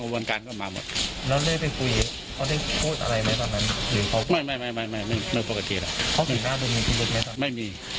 เพราะเราจะไป